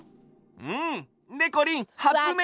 うんでこりんはつめい。